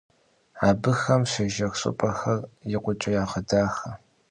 Абыхэм щежэх щӀыпӀэхэр икъукӀэ ягъэдахэ.